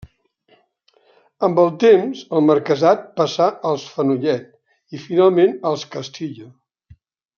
Amb el temps el marquesat passà als Fenollet i, finalment, als Castillo.